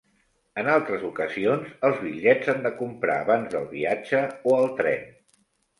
En altres ocasions, els bitllets s'han de comprar abans del viatge o al tren.